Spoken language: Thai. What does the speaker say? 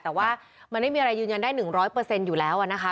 แต่ว่ามันไม่มีอะไรยืนยันได้๑๐๐อยู่แล้วนะคะ